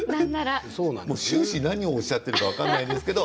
終始何おっしゃっているのか分からないですけど。